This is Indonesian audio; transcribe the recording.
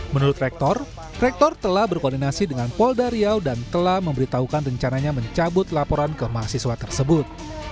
menurut rektor rektor telah berkoordinasi dengan polda riau dan telah memberitahukan rencananya mencabut laporan ke mahasiswa tersebut